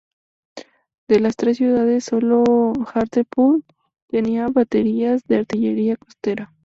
De las tres ciudades, solo Hartlepool tenía baterías de artillería costera.